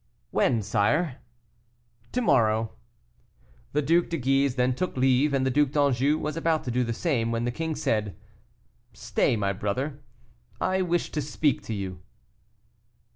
"When, sire?" "To morrow." The Duc de Guise then took leave, and the Duc d'Anjou was about to do the same, when the king said, "Stay, my brother, I wish to speak to you."